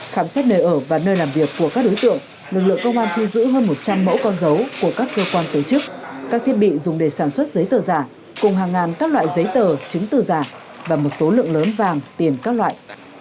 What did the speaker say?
khám xét nơi ở và nơi làm việc của các đối tượng lực lượng công an thu giữ hơn một trăm linh mẫu con dấu của các cơ quan tổ chức các thiết bị dùng để sản xuất giấy tờ giả cùng hàng ngàn các loại giấy tờ chứng từ giả và một số lượng lớn vàng tiền các loại